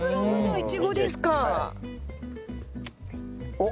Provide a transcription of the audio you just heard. おっ。